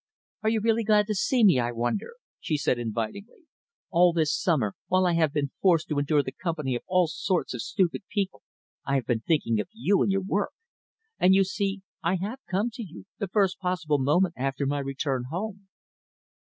"Are you really glad to see me, I wonder," she said invitingly. "All this summer, while I have been forced to endure the company of all sorts of stupid people, I have been thinking of you and your work. And, you see, I have come to you, the first possible moment after my return home."